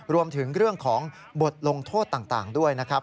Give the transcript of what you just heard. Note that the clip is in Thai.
รวมถึงเรื่องของบทลงโทษต่างด้วยนะครับ